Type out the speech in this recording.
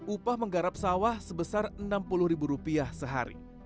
upah menggarap sawah sebesar enam puluh ribu rupiah sehari